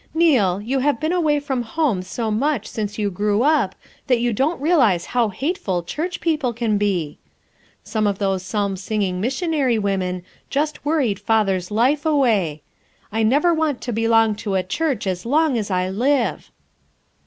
Neal, you have been away from home so much since you grew up that you don't realize how hateful church people can be! Some of those psalm singing missionary women just worried Father's life away ! I never want to belong to a church as long as I live!"